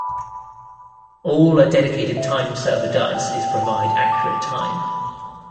All a dedicated time server does is provide accurate time.